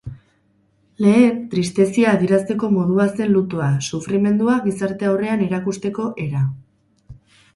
Lehen, tristezia adierazteko modua zen lutoa, sufrimendua gizarte aurrean erakusteko era.